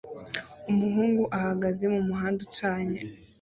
Umuhungu ahagaze mumuhanda ucanye